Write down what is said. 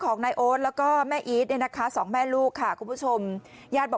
ของนายแล้วก็แม่นี่ได้นะคะสองแม่ลูกค่ะคุณผู้ชมญาติ